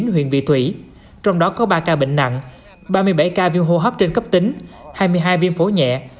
chín huyện vị thủy trong đó có ba ca bệnh nặng ba mươi bảy ca viêm hô hấp trên cấp tính hai mươi hai viêm phổi nhẹ